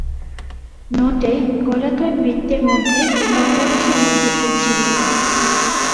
নোটে গোলাকার বৃত্তের মধ্যে বাংলাদেশের মানচিত্র ছিল।